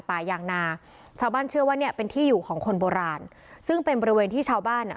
ป่ายางนาชาวบ้านเชื่อว่าเนี้ยเป็นที่อยู่ของคนโบราณซึ่งเป็นบริเวณที่ชาวบ้านอ่ะ